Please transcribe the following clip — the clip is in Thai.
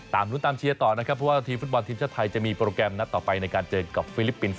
รุ้นตามเชียร์ต่อนะครับเพราะว่าทีมฟุตบอลทีมชาติไทยจะมีโปรแกรมนัดต่อไปในการเจอกับฟิลิปปินส์